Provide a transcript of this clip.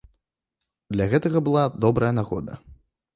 Для гэтага была добрая нагода.